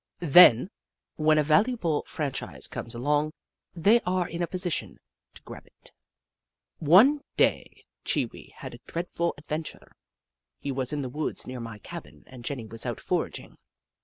Then, when a valuable franchise comes along, they are in a position to grab it. One day Chee Wee had a dreadful adven ture. He was in the woods near my cabin and Jenny was out foraging.